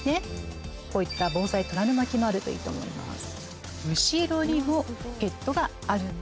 こういった防災虎の巻もあるといいと思います。